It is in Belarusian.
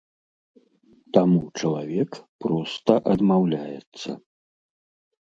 Таму чалавек проста адмаўляецца.